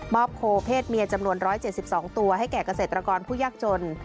โคเพศเมียจำนวน๑๗๒ตัวให้แก่เกษตรกรผู้ยากจน